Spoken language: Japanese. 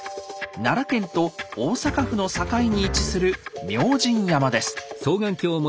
奈良県と大阪府の境に位置する明神山です。